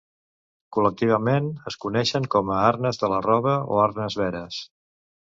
Col·lectivament, es coneixen com a arnes de la roba o arnes veres.